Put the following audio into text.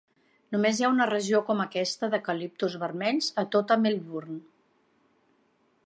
Només hi ha una regió com aquesta d"eucaliptus vermells a tota Melbourne.